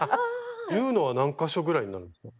縫うのは何か所ぐらいになるんですか？